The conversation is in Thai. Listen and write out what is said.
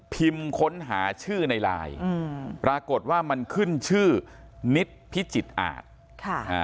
พิมพ์ค้นหาชื่อในไลน์ปรากฏว่ามันขึ้นชื่อนิตพิจิตอาจ